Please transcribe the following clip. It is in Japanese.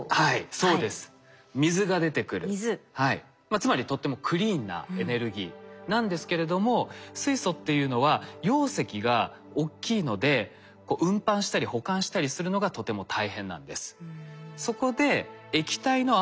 つまりとってもクリーンなエネルギーなんですけれども水素っていうのは容積が大きいので運搬したり保管したりするのがとても大変なんです。